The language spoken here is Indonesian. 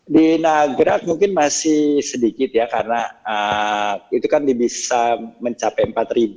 di nagrag mungkin masih sedikit ya karena itu kan bisa mencapai empat